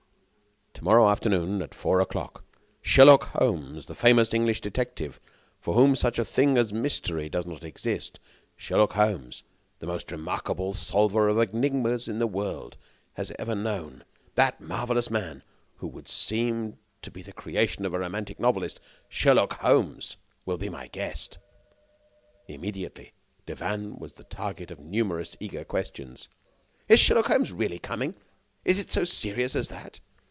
"To morrow afternoon at four o'clock, Sherlock Holmes, the famous English detective, for whom such a thing as mystery does not exist; Sherlock Holmes, the most remarkable solver of enigmas the world has ever known, that marvelous man who would seem to be the creation of a romantic novelist Sherlock Holmes will be my guest!" Immediately, Devanne was the target of numerous eager questions. "Is Sherlock Holmes really coming?" "Is it so serious as that?"